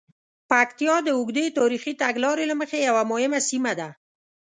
پکتیا د اوږدې تاریخي تګلارې له مخې یوه مهمه سیمه ده.